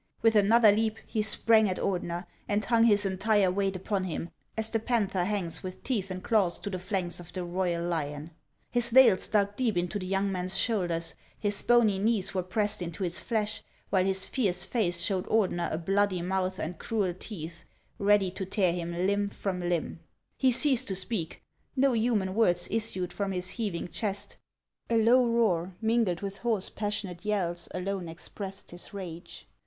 With another leap he sprang at Ordener, and hung his entire weight upon him, as the panther hangs with teeth and claws to the flanks of the royal lion. His nails dug deep into the young man's shoulders, his bony knees were pressed into his flesh, while his fierce face showed Ordener a bloody mouth and cruel teeth ready to tear him limb from limb. He ceased to speak ; no human words issued from his heaving chest ; a low roar mingled with hoarse, passionate yells alone expressed his rage.